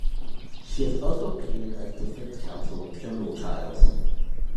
She has also appeared as defence counsel in criminal trials.